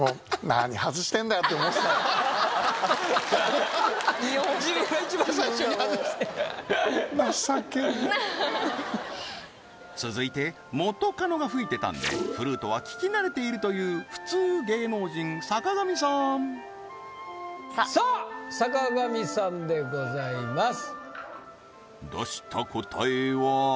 身をもって自分が一番最初に外して続いて元カノが吹いてたんでフルートは聴き慣れているというさあ坂上さんでございます出した答えは？